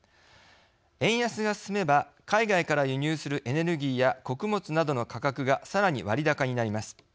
円安が進めば海外から輸入するエネルギーや穀物などの価格がさらに割高になります。